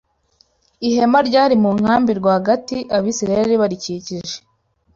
Ihema ryari mu nkambi rwagati, Abisirayeli barikikije